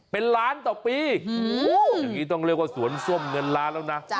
เป็นล้านต่อปีอย่างนี้ต้องเรียกว่าสวนส้มเงินล้านแล้วนะ